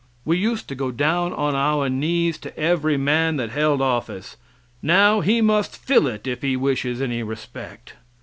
We used to go down on our knees to every man that held office; now he must fill it if he wishes any respect.